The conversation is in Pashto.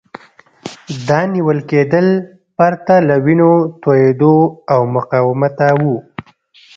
دا نیول کېدل پرته له وینو توېیدو او مقاومته وو.